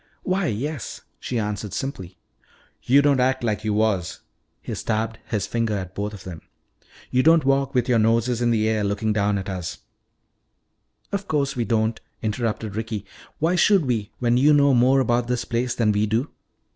"Why, yes," she answered simply. "Yo' don' act like yo' was." He stabbed his finger at both of them. "Yo' don't walk with youah noses in the air looking down at us " "Of course we don't!" interrupted Ricky. "Why should we, when you know more about this place than we do?"